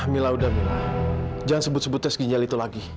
mila udah mila jangan sebut sebut tes ginjal itu lagi